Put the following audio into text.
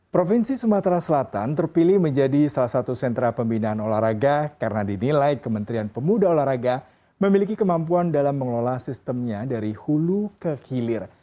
provinsi sumatera selatan terpilih menjadi salah satu sentra pembinaan olahraga karena dinilai kementerian pemuda olahraga memiliki kemampuan dalam mengelola sistemnya dari hulu ke hilir